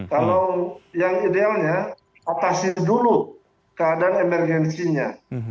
kalau yang idealnya atasi dulu keadaan emergensinya